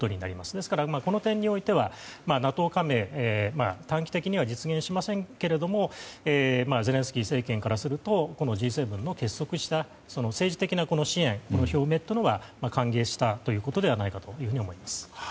ですから、この点においてはＮＡＴＯ加盟は短期的には実現しませんがゼレンスキー政権からするとＧ７の結束した政治的な支援、表明ということは歓迎したということではないかと思います。